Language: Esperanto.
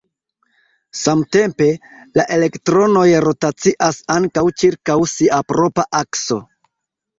Samtempe, la elektronoj rotacias ankaŭ ĉirkaŭ sia propra akso.